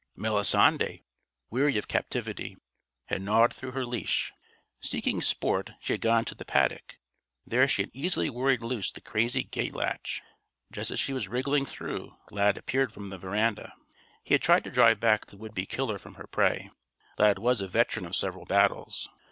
Melisande, weary of captivity, had gnawed through her leash. Seeking sport, she had gone to the paddock. There she had easily worried loose the crazy gate latch. Just as she was wriggling through, Lad appeared from the veranda. He had tried to drive back the would be killer from her prey. Lad was a veteran of several battles.